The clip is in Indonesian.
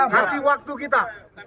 kasih waktu kita